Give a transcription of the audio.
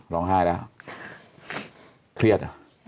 ร้องไห้แล้วเครียด